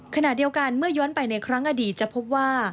ขณะเดียวกันเมื่อย้อนไปในครั้งอดีตจะพบว่า